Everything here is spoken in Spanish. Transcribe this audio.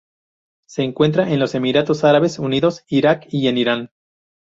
Se encuentra en los Emiratos Árabes Unidos Irak y en Irán.